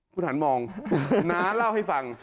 คุณหันมองน้าเล่าให้ฟัง